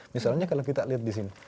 misalnya kalau kita lihat di sini